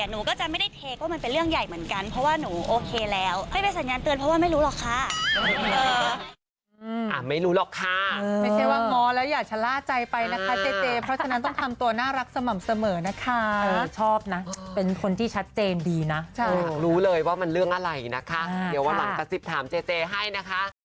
หนูก็จะไม่ได้เทก็มันเป็นเรื่องใหญ่เหมือนกันเพราะว่าหนูโอเคแล้วให้เป็นสัญญาณเตือนเพราะว่าไม่รู้หรอกค่ะ